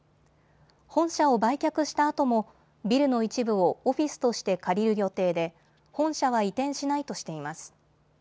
本社を売却したあともビルの一部をオフィスとして借りる予定で本社は移転しないとしています。